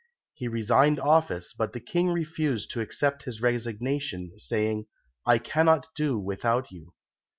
He resigned office, but the King refused to accept his resignation, saying, "I cannot do without you."